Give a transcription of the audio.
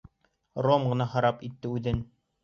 Ром ғына харап итте үҙен.